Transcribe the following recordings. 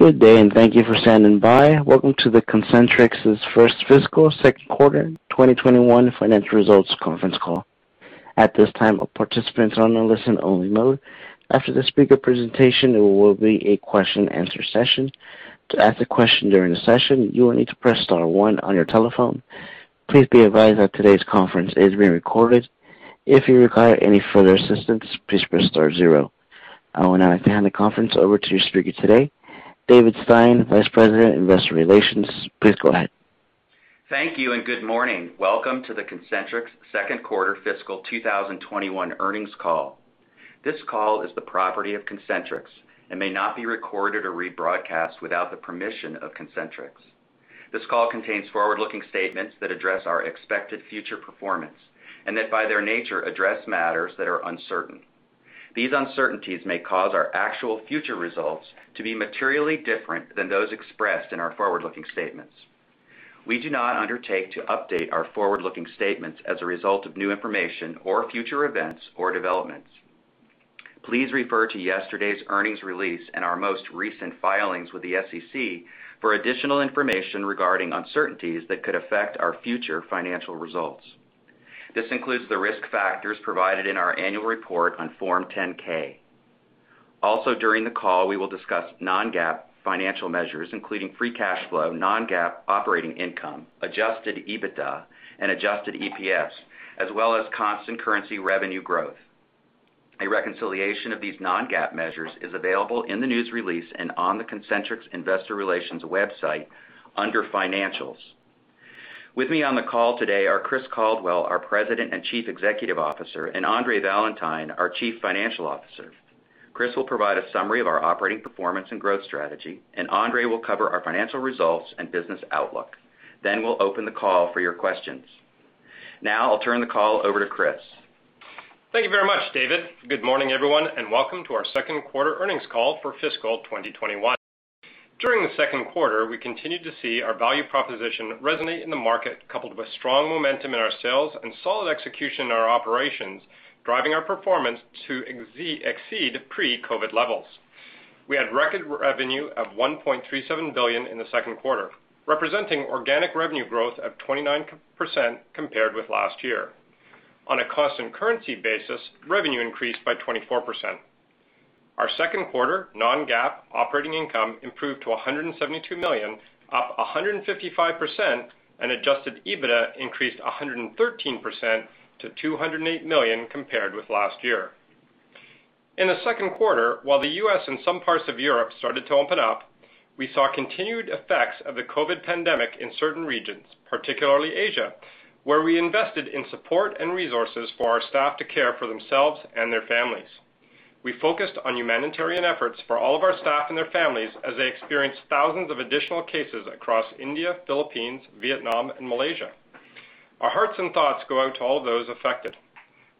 Good day and thank you for standing by. Welcome to the Concentrix's first fiscal second quarter 2021 financial results conference call. At this time all participants are in only listen mode. After this the presentation will be question and answer session and to ask a question during the session you need to press star on your telephone. Please be advised that today's conference call is being recorded. If you need any assistant, please press star zero. I will now hand the conference over to your speaker today, David Stein, Vice President, Investor Relations. Please go ahead. Thank you. Good morning. Welcome to the Concentrix second quarter fiscal 2021 earnings call. This call is the property of Concentrix and may not be recorded or rebroadcast without the permission of Concentrix. This call contains forward-looking statements that address our expected future performance and that, by their nature, address matters that are uncertain. These uncertainties may cause our actual future results to be materially different than those expressed in our forward-looking statements. We do not undertake to update our forward-looking statements as a result of new information or future events or developments. Please refer to yesterday's earnings release and our most recent filings with the SEC for additional information regarding uncertainties that could affect our future financial results. This includes the risk factors provided in our annual report on Form 10-K. During the call, we will discuss non-GAAP financial measures, including free cash flow, non-GAAP operating income, adjusted EBITDA, and adjusted EPS, as well as constant currency revenue growth. A reconciliation of these non-GAAP measures is available in the news release and on the Concentrix Investor Relations website under Financials. With me on the call today are Chris Caldwell, our President and Chief Executive Officer, and Andre Valentine, our Chief Financial Officer. Chris will provide a summary of our operating performance and growth strategy. Andre will cover our financial results and business outlook. We'll open the call for your questions. I'll turn the call over to Chris. Thank you very much, David. Good morning, everyone, and welcome to our second quarter earnings call for fiscal 2021. During the second quarter, we continued to see our value proposition resonate in the market, coupled with strong momentum in our sales and solid execution in our operations, driving our performance to exceed pre-COVID levels. We had record revenue of $1.37 billion in the second quarter, representing organic revenue growth of 29% compared with last year. On a constant currency basis, revenue increased by 24%. Our second quarter non-GAAP operating income improved to $172 million, up 155%, and adjusted EBITDA increased 113% to $208 million compared with last year. In the second quarter, while the U.S. and some parts of Europe started to open up, we saw continued effects of the COVID pandemic in certain regions, particularly Asia, where we invested in support and resources for our staff to care for themselves and their families. We focused on humanitarian efforts for all of our staff and their families as they experienced thousands of additional cases across India, Philippines, Vietnam, and Malaysia. Our hearts and thoughts go out to all those affected.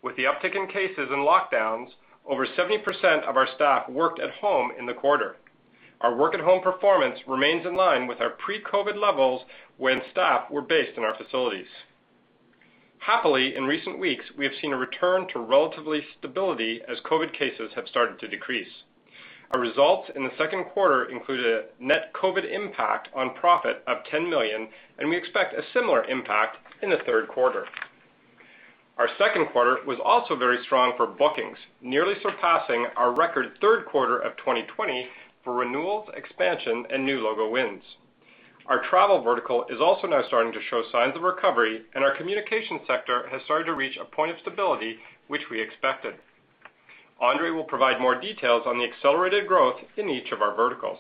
With the uptick in cases and lockdowns, over 70% of our staff worked at home in the quarter. Our work-at-home performance remains in line with our pre-COVID levels when staff were based in our facilities. Happily, in recent weeks, we have seen a return to relative stability as COVID cases have started to decrease. Our results in the second quarter included a net COVID impact on profit of $10 million, and we expect a similar impact in the third quarter. Our second quarter was also very strong for bookings, nearly surpassing our record third quarter of 2020 for renewals, expansion, and new logo wins. Our travel vertical is also now starting to show signs of recovery, and our communication sector has started to reach a point of stability, which we expected. Andre will provide more details on the accelerated growth in each of our verticals.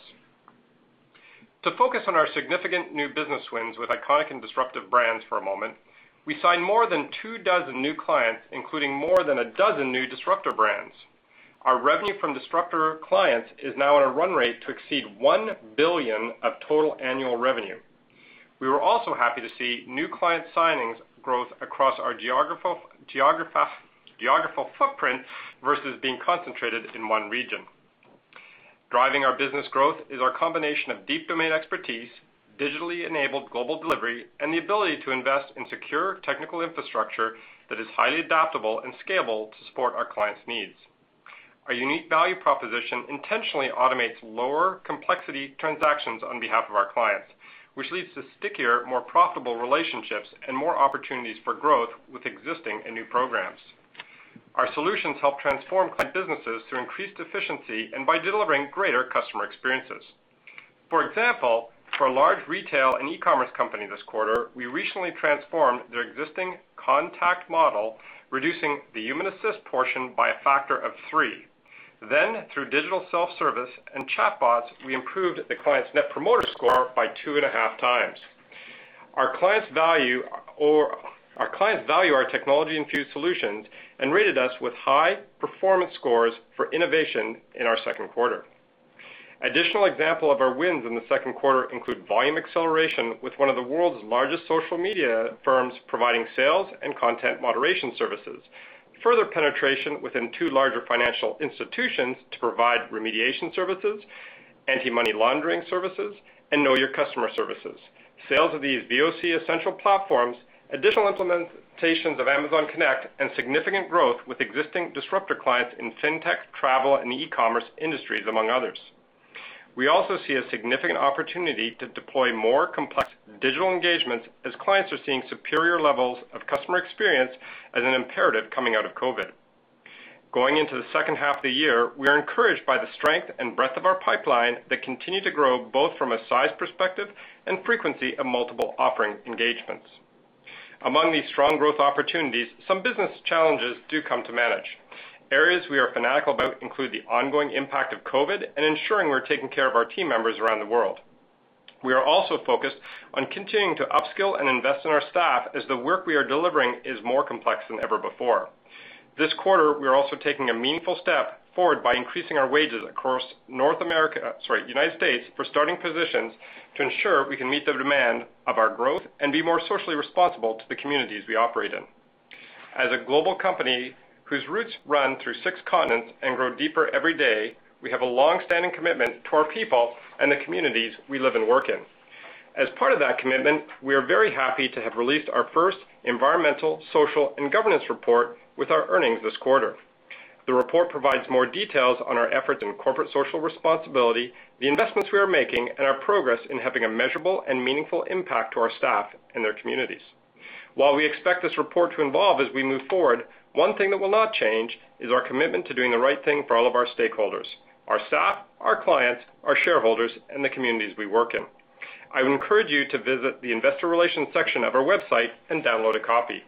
To focus on our significant new business wins with iconic and disruptive brands for a moment, we signed more than two dozen new clients, including more than a dozen new disruptor brands. Our revenue from disruptor clients is now at a run rate to exceed $1 billion of total annual revenue. We were also happy to see new client signings growth across our geographical footprint versus being concentrated in one region. Driving our business growth is our combination of deep domain expertise, digitally enabled global delivery, and the ability to invest in secure technical infrastructure that is highly adaptable and scalable to support our clients' needs. Our unique value proposition intentionally automates lower complexity transactions on behalf of our clients, which leads to stickier, more profitable relationships and more opportunities for growth with existing and new programs. Our solutions help transform client businesses to increase efficiency and by delivering greater customer experiences. For example, for a large retail and e-commerce company this quarter, we recently transformed their existing contact model, reducing the human assist portion by a factor of three Through digital self-service and chatbots, we improved the client's Net Promoter Score by 2.5x. Our clients value our technology-infused solutions and rated us with high performance scores for innovation in our second quarter. Additional examples of our wins in the second quarter include volume acceleration with one of the world's largest social media firms providing sales and content moderation services, further penetration within two larger financial institutions to provide remediation services, anti-money laundering services, and Know Your Customer services. Sales of these VoC essential platforms, additional implementations of Amazon Connect, and significant growth with existing disruptor clients in fintech, travel, and e-commerce industries, among others. We also see a significant opportunity to deploy more complex digital engagements as clients are seeing superior levels of customer experience as an imperative coming out of COVID. Going into the second half of the year, we are encouraged by the strength and breadth of our pipeline that continue to grow both from a size perspective and frequency of multiple offering engagements. Among these strong growth opportunities, some business challenges do come to manage. Areas we are fanatical about include the ongoing impact of COVID and ensuring we're taking care of our team members around the world. We are also focused on continuing to upskill and invest in our staff as the work we are delivering is more complex than ever before. This quarter, we are also taking a meaningful step forward by increasing our wages across the United States for starting positions to ensure we can meet the demand of our growth and be more socially responsible to the communities we operate in. As a global company whose roots run through six continents and grow deeper every day, we have a longstanding commitment to our people and the communities we live and work in. As part of that commitment, we are very happy to have released our first environmental, social, and governance report with our earnings this quarter. The report provides more details on our efforts in corporate social responsibility, the investments we are making, and our progress in having a measurable and meaningful impact to our staff and their communities. While we expect this report to evolve as we move forward, one thing that will not change is our commitment to doing the right thing for all of our stakeholders, our staff, our clients, our shareholders, and the communities we work in. I would encourage you to visit the investor relations section of our website and download a copy.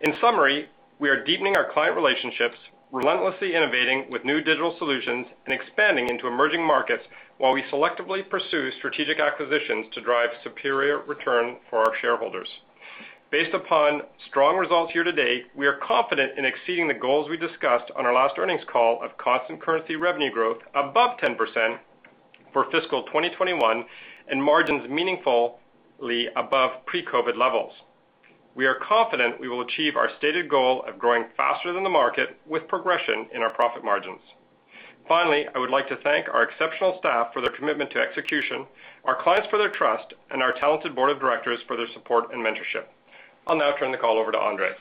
In summary, we are deepening our client relationships, relentlessly innovating with new digital solutions, and expanding into emerging markets while we selectively pursue strategic acquisitions to drive superior return for our shareholders. Based upon strong results here to date, we are confident in exceeding the goals we discussed on our last earnings call of constant currency revenue growth above 10% for fiscal 2021, and margins meaningfully above pre-COVID levels. We are confident we will achieve our stated goal of growing faster than the market with progression in our profit margins. Finally, I would like to thank our exceptional staff for their commitment to execution, our clients for their trust, and our talented board of directors for their support and mentorship. I'll now turn the call over to Andre.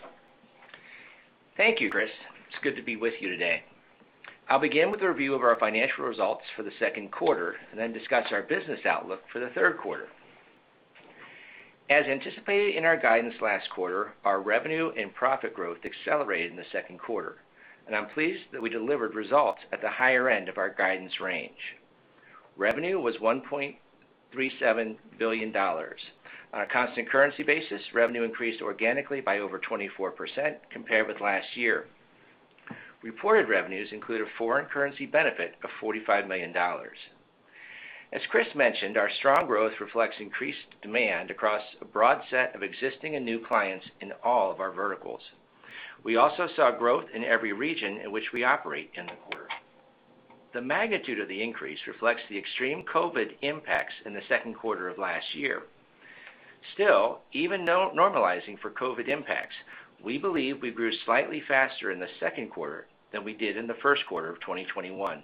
Thank you, Chris. It's good to be with you today. I'll begin with a review of our financial results for the second quarter and then discuss our business outlook for the third quarter. As anticipated in our guidance last quarter, our revenue and profit growth accelerated in the second quarter. I'm pleased that we delivered results at the higher end of our guidance range. Revenue was $1.37 billion. On a constant currency basis, revenue increased organically by over 24% compared with last year. Reported revenues include a foreign currency benefit of $45 million. As Chris mentioned, our strong growth reflects increased demand across a broad set of existing and new clients in all of our verticals. We also saw growth in every region in which we operate in the quarter. The magnitude of the increase reflects the extreme COVID impacts in the second quarter of last year. Still, even normalizing for COVID impacts, we believe we grew slightly faster in the second quarter than we did in the first quarter of 2021.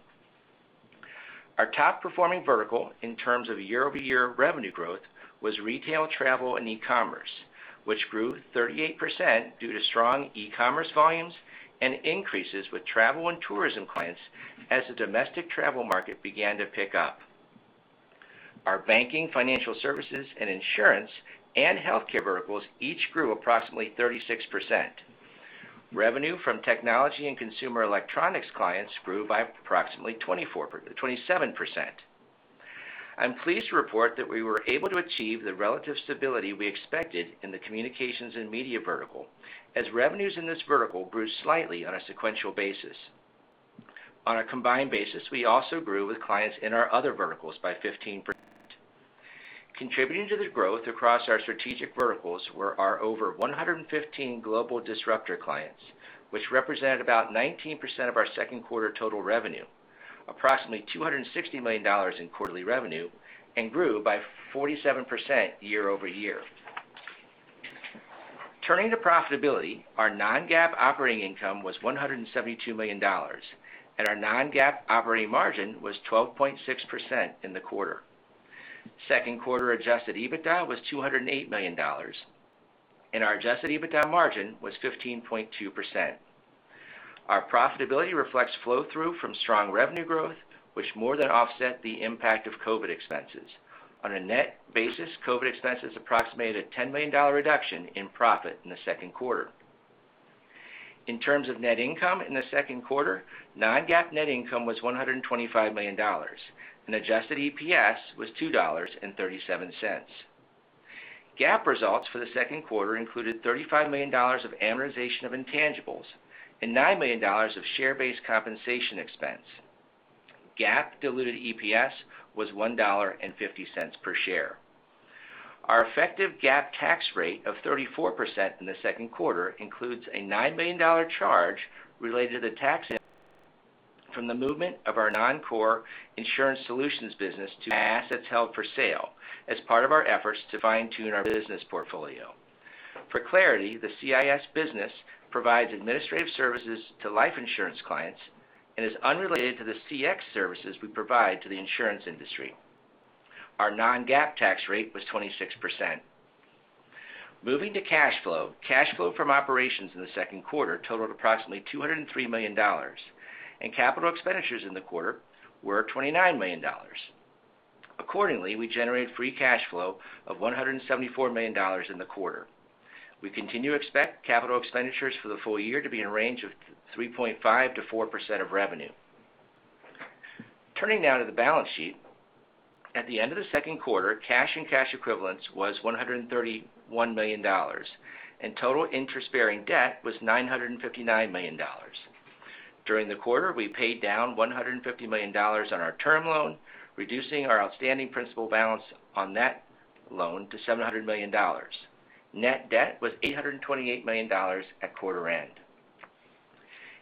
Our top-performing vertical in terms of year-over-year revenue growth was retail, travel, and e-commerce, which grew 38% due to strong e-commerce volumes and increases with travel and tourism clients as the domestic travel market began to pick up. Our banking, financial services and insurance, and healthcare verticals each grew approximately 36%. Revenue from technology and consumer electronics clients grew by approximately 27%. I'm pleased to report that we were able to achieve the relative stability we expected in the communications and media vertical as revenues in this vertical grew slightly on a sequential basis. On a combined basis, we also grew with clients in our other verticals by 15%. Contributing to the growth across our strategic verticals were our over 115 global disruptor clients, which represent about 19% of our second quarter total revenue, approximately $260 million in quarterly revenue, and grew by 47% year-over-year. Turning to profitability, our non-GAAP operating income was $172 million, and our non-GAAP operating margin was 12.6% in the quarter. Second quarter adjusted EBITDA was $208 million, and our adjusted EBITDA margin was 15.2%. Our profitability reflects flow-through from strong revenue growth, which more than offset the impact of COVID expenses. On a net basis, COVID expenses approximated a $10 million reduction in profit in the second quarter. In terms of net income in the second quarter, non-GAAP net income was $125 million, and adjusted EPS was $2.37. GAAP results for the second quarter included $35 million of amortization of intangibles and $9 million of share-based compensation expense. GAAP diluted EPS was $1.50 per share. Our effective GAAP tax rate of 34% in the second quarter includes a $9 million charge related to the tax from the movement of our non-core insurance solutions business to assets held for sale as part of our efforts to fine-tune our business portfolio. For clarity, the CIS business provides administrative services to life insurance clients and is unrelated to the CX services we provide to the insurance industry. Our non-GAAP tax rate was 26%. Moving to cash flow. Cash flow from operations in the second quarter totaled approximately $203 million, and capital expenditures in the quarter were $29 million. Accordingly, we generated free cash flow of $174 million in the quarter. We continue to expect capital expenditures for the full year to be in a range of 3.5%-4% of revenue. Turning now to the balance sheet. At the end of the second quarter, cash and cash equivalents was $131 million, and total interest-bearing debt was $959 million. During the quarter, we paid down $150 million on our term loan, reducing our outstanding principal balance on that loan to $700 million. Net debt was $828 million at quarter end.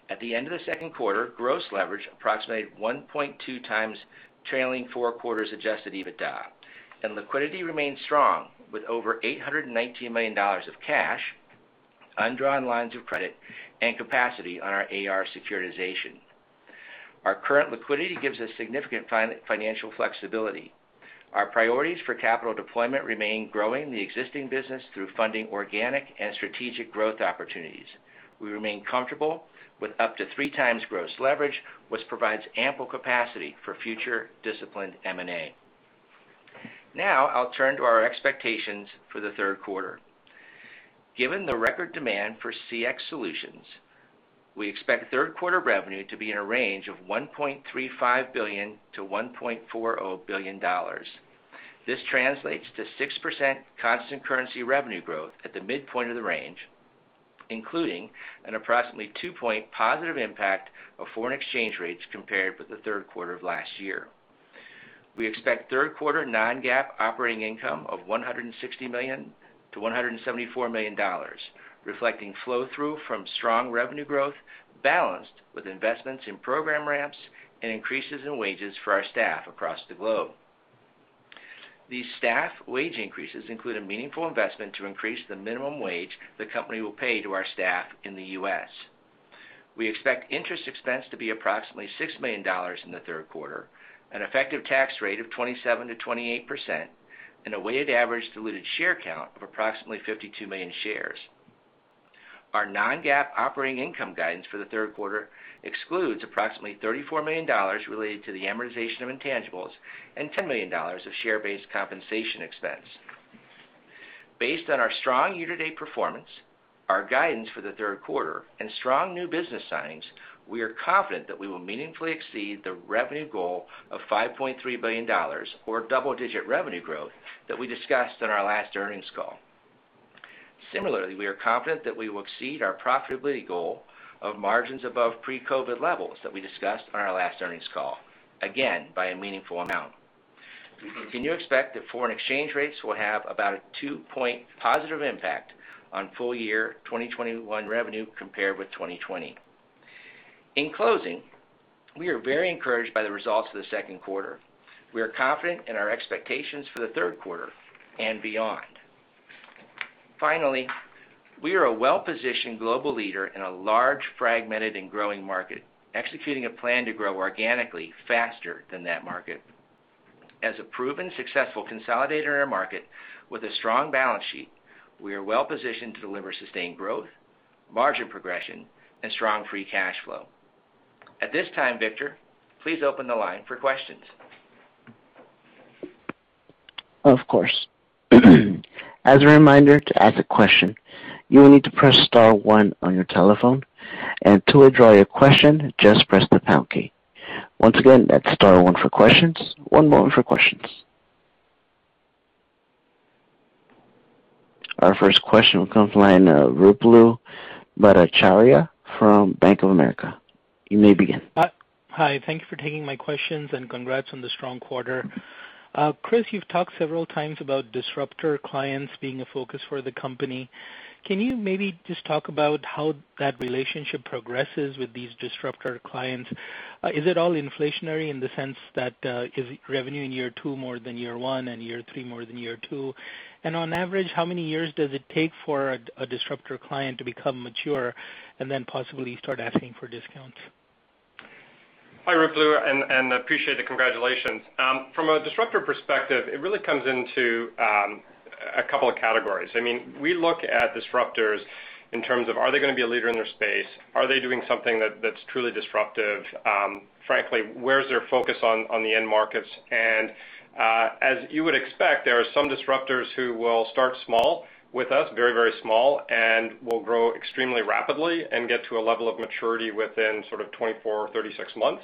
At the end of the second quarter, gross leverage approximated 1.2x trailing four quarters adjusted EBITDA, and liquidity remained strong with over $819 million of cash, undrawn lines of credit, and capacity on our AR securitization. Our current liquidity gives us significant financial flexibility. Our priorities for capital deployment remain growing the existing business through funding organic and strategic growth opportunities. We remain comfortable with up to 3x gross leverage, which provides ample capacity for future disciplined M&A. I'll turn to our expectations for the third quarter. Given the record demand for CX solutions, we expect third quarter revenue to be in a range of $1.35 billion-$1.40 billion. This translates to 6% constant currency revenue growth at the midpoint of the range, including an approximately two point positive impact of foreign exchange rates compared with the third quarter of last year. We expect third quarter non-GAAP operating income of $160 million-$174 million, reflecting flow-through from strong revenue growth, balanced with investments in program ramps and increases in wages for our staff across the globe. These staff wage increases include a meaningful investment to increase the minimum wage the company will pay to our staff in the U.S. We expect interest expense to be approximately $6 million in the third quarter, an effective tax rate of 27%-28%, and a weighted average diluted share count of approximately 52 million shares. Our non-GAAP operating income guidance for the third quarter excludes approximately $34 million related to the amortization of intangibles and $10 million of share-based compensation expense. Based on our strong year-to-date performance, our guidance for the third quarter, and strong new business signings, we are confident that we will meaningfully exceed the revenue goal of $5.3 billion or double-digit revenue growth that we discussed on our last earnings call. Similarly, we are confident that we will exceed our profitability goal of margins above pre-COVID levels that we discussed on our last earnings call, again, by a meaningful amount. We do expect that foreign exchange rates will have about a two-point positive impact on full-year 2021 revenue compared with 2020. In closing, we are very encouraged by the results of the second quarter. We are confident in our expectations for the third quarter and beyond. Finally, we are a well-positioned global leader in a large, fragmented, and growing market, executing a plan to grow organically faster than that market. As a proven successful consolidator in our market with a strong balance sheet, we are well positioned to deliver sustained growth, margin progression, and strong free cash flow. At this time, Victor, please open the line for questions. Of course. As a reminder, to ask a question, you will need to press star one on your telephone, and to withdraw your question, just press the pound key. Once again, that's star one for questions. One moment for questions. Our first question will come from line, Ruplu Bhattacharya from Bank of America. You may begin. Hi. Thank you for taking my questions. Congrats on the strong quarter. Chris, you've talked several times about disruptor clients being a focus for the company. Can you maybe just talk about how that relationship progresses with these disruptor clients? Is it all inflationary in the sense that, is revenue in year two more than year one and year three more than year two? On average, how many years does it take for a disruptor client to become mature and then possibly start asking for discounts? Hi, Ruplu, and appreciate the congratulations. From a disruptor perspective, it really comes into a couple of categories. We look at disruptors in terms of are they going to be a leader in their space? Are they doing something that's truly disruptive? Frankly, where's their focus on the end markets? As you would expect, there are some disruptors who will start small with us, very small, and will grow extremely rapidly and get to a level of maturity within sort of 24 or 36 months.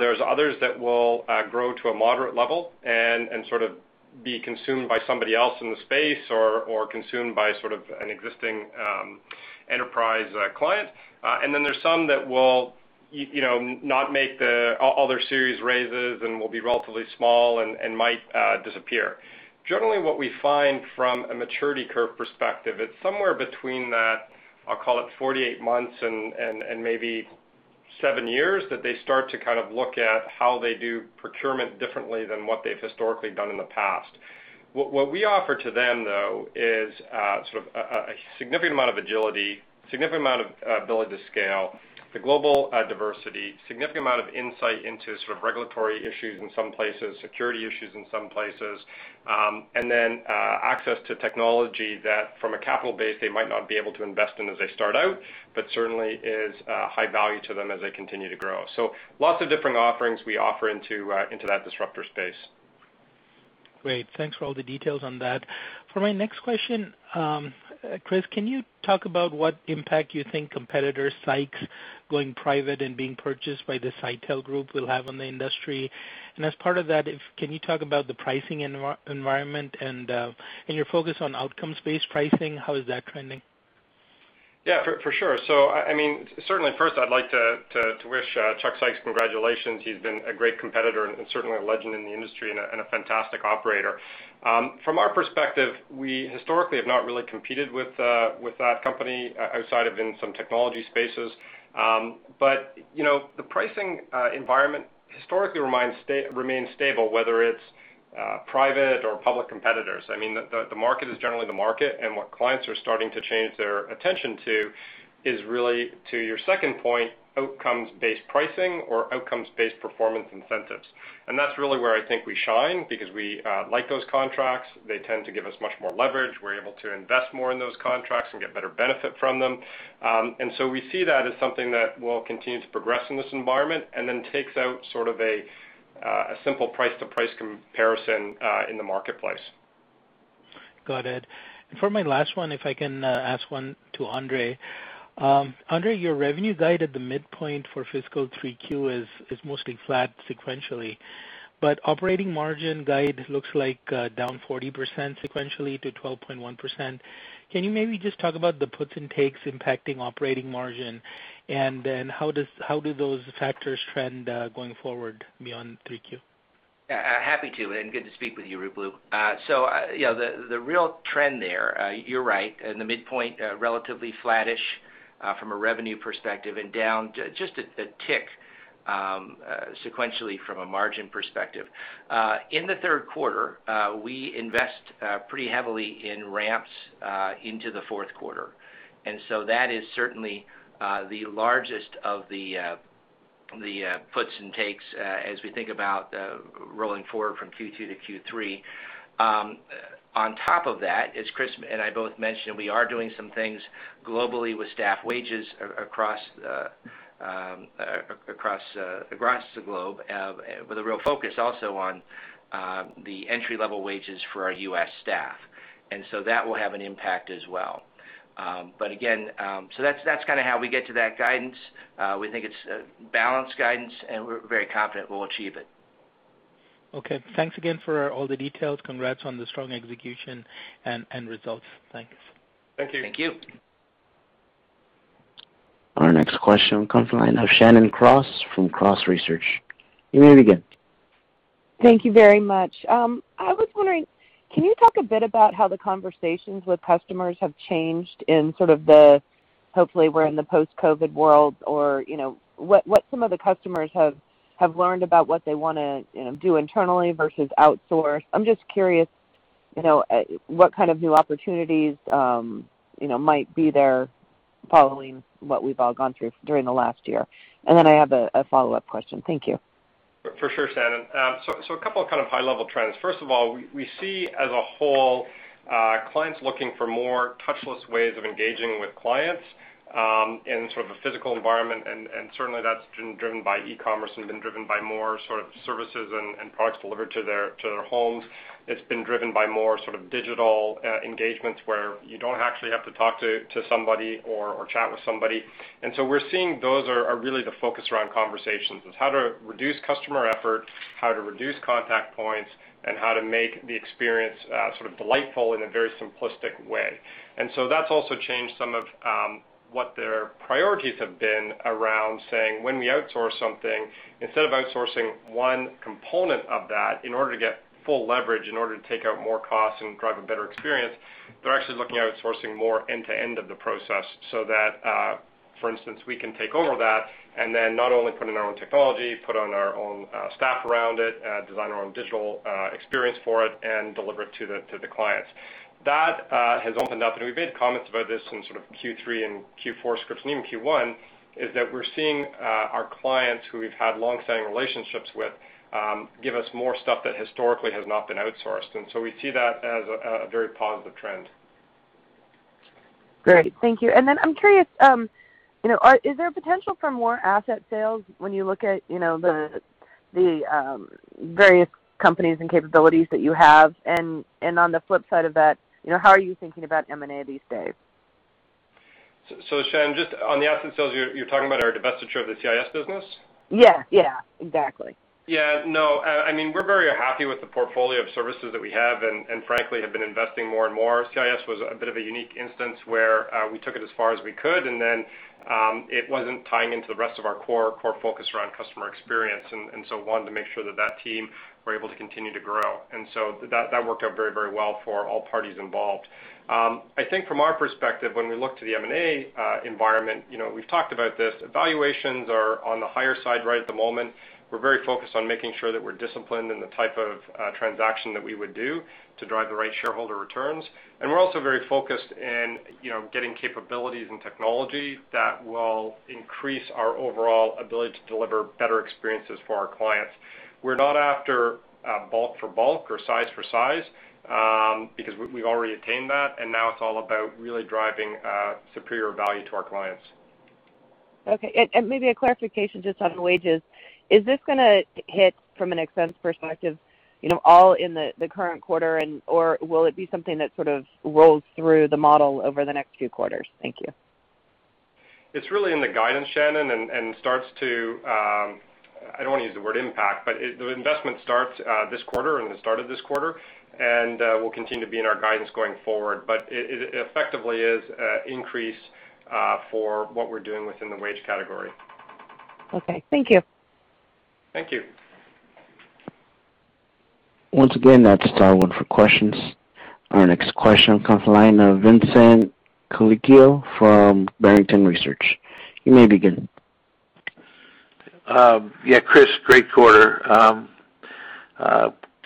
There's others that will grow to a moderate level and sort of be consumed by somebody else in the space or consumed by sort of an existing enterprise client. There's some that will not make all their series raises and will be relatively small and might disappear. Generally, what we find from a maturity curve perspective, it's somewhere between that, I'll call it 48 months and maybe. seven years that they start to kind of look at how they do procurement differently than what they've historically done in the past. What we offer to them, though, is sort of a significant amount of agility, significant amount of ability to scale, the global diversity, significant amount of insight into sort of regulatory issues in some places, security issues in some places, and then access to technology that from a capital base they might not be able to invest in as they start out, but certainly is high value to them as they continue to grow. Lots of different offerings we offer into that disruptor space. Great. Thanks for all the details on that. For my next question, Chris, can you talk about what impact you think competitor Sykes going private and being purchased by the Sitel Group will have on the industry? As part of that, can you talk about the pricing environment and your focus on outcomes-based pricing? How is that trending? Yeah, for sure. I mean, certainly first I'd like to wish Chuck Sykes congratulations. He's been a great competitor and certainly a legend in the industry and a fantastic operator. From our perspective, we historically have not really competed with that company outside of in some technology spaces. The pricing environment historically remains stable, whether it's private or public competitors. I mean, the market is generally the market, and what clients are starting to change their attention to is really, to your second point, outcomes-based pricing or outcomes-based performance incentives. That's really where I think we shine, because we like those contracts. They tend to give us much more leverage. We're able to invest more in those contracts and get better benefit from them. We see that as something that will continue to progress in this environment and then takes out sort of a simple price-to-price comparison in the marketplace. Got it. For my last one, if I can ask one to Andre. Andre, your revenue guide at the midpoint for fiscal 3Q is mostly flat sequentially, but operating margin guide looks like down 40% sequentially to 12.1%. Can you maybe just talk about the puts and takes impacting operating margin? Then how do those factors trend going forward beyond 3Q? Happy to, good to speak with you, Ruplu. The real trend there, you're right. In the midpoint, relatively flattish from a revenue perspective and down just a tick sequentially from a margin perspective. In the third quarter, we invest pretty heavily in ramps into the fourth quarter, that is certainly the largest of the puts and takes as we think about rolling forward from Q2 to Q3. On top of that, as Chris and I both mentioned, we are doing some things globally with staff wages across the globe, with a real focus also on the entry-level wages for our U.S. staff, that will have an impact as well. That's kind of how we get to that guidance. We think it's a balanced guidance, and we're very confident we'll achieve it. Okay, thanks again for all the details. Congrats on the strong execution and results. Thanks. Thank you. Thank you. Our next question comes from the line of Shannon Cross from Cross Research. You may begin. Thank you very much. I was wondering, can you talk a bit about how the conversations with customers have changed in sort of the, hopefully we're in the post-COVID world, or what some of the customers have learned about what they want to do internally versus outsource. I'm just curious, what kind of new opportunities might be there following what we've all gone through during the last year? I have a follow-up question. Thank you. For sure, Shannon. A couple of kind of high-level trends. First of all, we see as a whole, clients looking for more touchless ways of engaging with clients in sort of a physical environment, and certainly that's been driven by e-commerce and been driven by more sort of services and products delivered to their homes. It's been driven by more sort of digital engagements where you don't actually have to talk to somebody or chat with somebody. We're seeing those are really the focus around conversations, is how to reduce customer effort, how to reduce contact points, and how to make the experience sort of delightful in a very simplistic way. That's also changed some of what their priorities have been around saying, when we outsource something, instead of outsourcing 1 component of that, in order to get full leverage, in order to take out more costs and drive a better experience, they're actually looking at outsourcing more end-to-end of the process so that, for instance, we can take over that and then not only put in our own technology, put on our own staff around it, design our own digital experience for it, and deliver it to the clients. That has opened up, and we've made comments about this in sort of Q3 and Q4 scripts, and even Q1, is that we're seeing our clients who we've had long-standing relationships with give us more stuff that historically has not been outsourced. We see that as a very positive trend. Great. Thank you. I'm curious, is there a potential for more asset sales when you look at the various companies and capabilities that you have? On the flip side of that, how are you thinking about M&A these days? Shannon, just on the asset sales, you're talking about our divestiture of the GIS business? Yeah. Exactly. Yeah, no, we're very happy with the portfolio of services that we have, and frankly, have been investing more and more. GIS was a bit of a unique instance where we took it as far as we could, then it wasn't tying into the rest of our core focus around customer experience. We wanted to make sure that that team were able to continue to grow. That worked out very well for all parties involved. I think from our perspective, when we look to the M&A environment, we've talked about this, evaluations are on the higher side right at the moment. We're very focused on making sure that we're disciplined in the type of transaction that we would do to drive the right shareholder returns. We're also very focused in getting capabilities and technology that will increase our overall ability to deliver better experiences for our clients. We're not after bulk for bulk or size for size, because we already attained that, and now it's all about really driving superior value to our clients. Okay. Maybe a clarification just on the wages. Is this going to hit from an expense perspective all in the current quarter? Or will it be something that sort of rolls through the model over the next few quarters? Thank you. It's really in the guidance, Shannon, and starts to I don't want to use the word impact, but the investment starts this quarter, in the start of this quarter, and will continue to be in our guidance going forward. It effectively is an increase for what we're doing within the wage category. Okay. Thank you. Thank you. Once again, that's a star one for questions. Our next question comes from the line of Vincent Colicchio from Barrington Research. You may begin. Yeah, Chris, great quarter.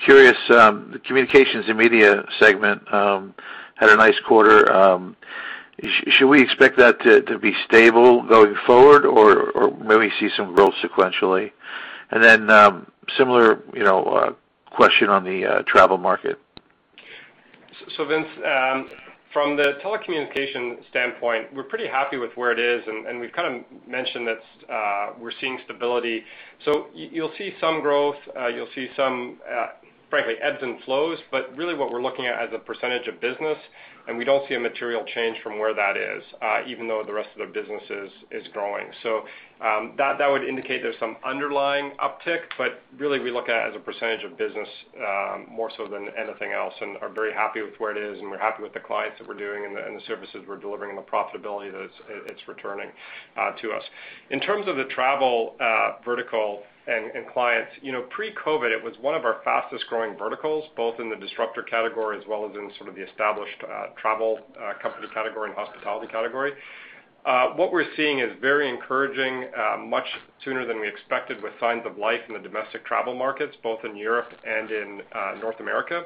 Curious, the communications and media segment had a nice quarter. Should we expect that to be stable going forward or maybe see some growth sequentially? Similar question on the travel market. Vince, from the telecommunication standpoint, we're pretty happy with where it is, and we kind of mentioned that we're seeing stability. You'll see some growth, you'll see some frankly ebbs and flows. Really what we're looking at as a percentage of business, and we don't see a material change from where that is, even though the rest of the business is growing. That would indicate there's some underlying uptick, but really we look at it as a percentage of business more so than anything else and are very happy with where it is, and we're happy with the clients that we're doing and the services we're delivering, the profitability that it's returning to us. In terms of the travel vertical and clients, pre-COVID, it was one of our fastest-growing verticals, both in the disruptor category as well as in some of the established travel company category and hospitality category. What we're seeing is very encouraging, much sooner than we expected, with signs of life in the domestic travel markets, both in Europe and in North America.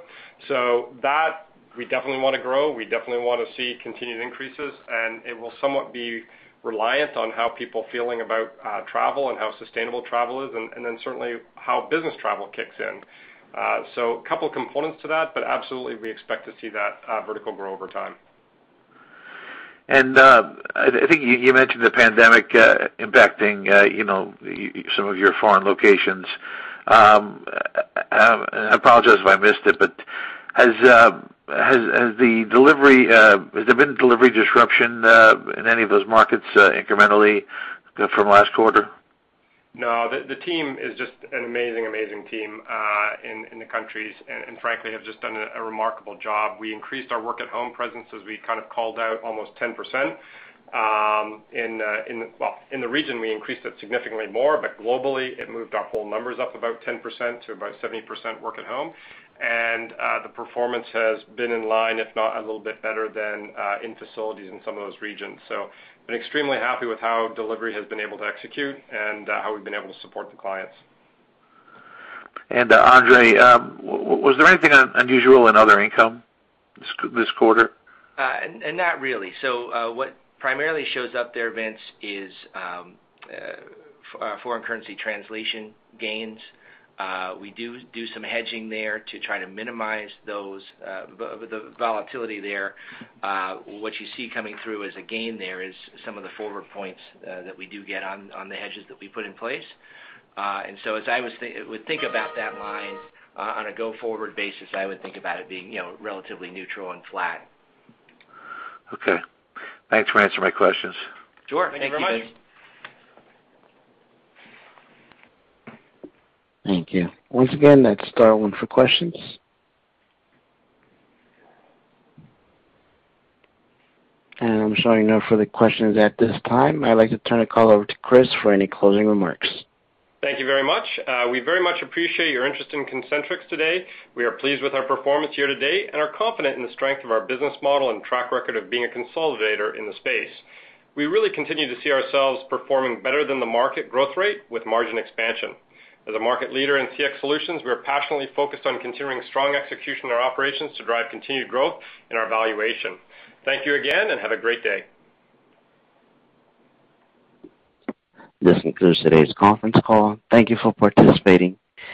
That we definitely want to grow. We definitely want to see continued increases, and it will somewhat be reliant on how people feeling about travel and how sustainable travel is and then certainly how business travel kicks in. A couple components to that, but absolutely, we expect to see that vertical grow over time. I think you mentioned the pandemic impacting some of your foreign locations. I apologize if I missed it, but has there been delivery disruption in any of those markets incrementally from last quarter? No, the team is just an amazing team in the countries and frankly have just done a remarkable job. We increased our work at home presence as we kind of called out almost 10%. In the region, we increased it significantly more. Globally, it moved our whole numbers up about 10% to about 70% work at home. The performance has been in line, if not a little bit better than in facilities in some of those regions. Been extremely happy with how delivery has been able to execute and how we've been able to support the clients. Andre, was there anything unusual in other income this quarter? Not really. What primarily shows up there, Vince, is foreign currency translation gains. We do some hedging there to try to minimize those, the volatility there. What you see coming through as a gain there is some of the forward points that we do get on the hedges that we put in place. As I would think about that line on a go-forward basis, I would think about it being relatively neutral and flat. Okay. Thanks for answering my questions. Sure. Thank you. Thanks. Thank you. Once again, that's star one for questions. I'm showing no further questions at this time. I'd like to turn the call over to Chris for any closing remarks. Thank you very much. We very much appreciate your interest in Concentrix today. We are pleased with our performance year to date and are confident in the strength of our business model and track record of being a consolidator in the space. We really continue to see ourselves performing better than the market growth rate with margin expansion. As a market leader in CX solutions, we are passionately focused on continuing strong execution of our operations to drive continued growth in our valuation. Thank you again and have a great day. This concludes today's conference call. Thank you for participating.